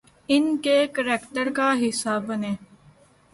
ان کے کریکٹر کا حصہ بنیں۔